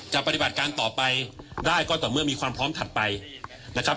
ปฏิบัติการต่อไปได้ก็ต่อเมื่อมีความพร้อมถัดไปนะครับ